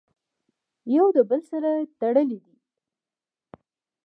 يو د بل سره تړلي دي!!.